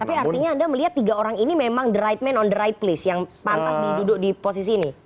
tapi artinya anda melihat tiga orang ini memang the right man on the right please yang pantas duduk di posisi ini